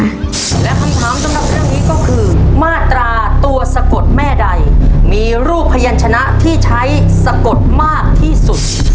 และคำถามสำหรับเรื่องนี้ก็คือมาตราตัวสะกดแม่ใดมีรูปพยานชนะที่ใช้สะกดมากที่สุด